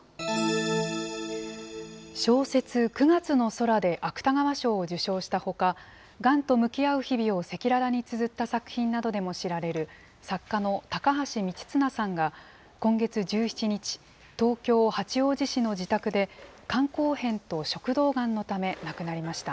小説、九月の空で芥川賞を受賞したほか、がんと向き合う日々を赤裸々につづった作品などでも知られる、作家の高橋三千綱さんが今月１７日、東京・八王子市の自宅で肝硬変と食道がんのため亡くなりました。